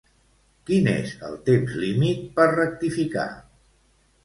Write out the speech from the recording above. Quin és el temps límit per rectificar?